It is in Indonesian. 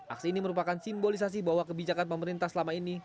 aksi ini merupakan simbolisasi bahwa kebijakan pemerintah selama ini